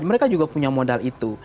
mereka juga punya modal itu